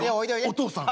お父さん。